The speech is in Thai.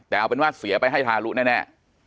แต่เอาเป็นว่าเสียไปให้ทารุแน่